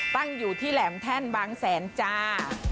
ตั้งอยู่ที่แหลมแท่นบางแสนจ้า